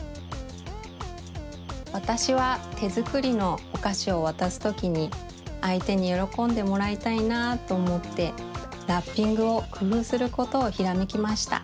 わたしはてづくりのおかしをわたすときにあいてによろこんでもらいたいなとおもってラッピングをくふうすることをひらめきました。